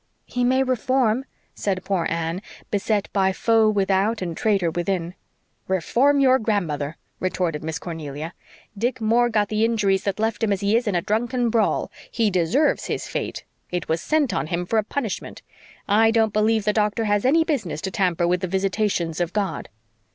"He may reform," said poor Anne, beset by foe without and traitor within. "Reform your grandmother!" retorted Miss Cornelia. "Dick Moore got the injuries that left him as he is in a drunken brawl. He DESERVES his fate. It was sent on him for a punishment. I don't believe the doctor has any business to tamper with the visitations of God."